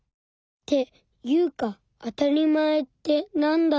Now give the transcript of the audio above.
っていうかあたりまえってなんだろう。